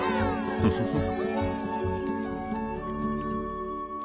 フフフッ。